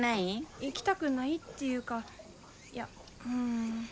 行きたくないっていうかいやうん。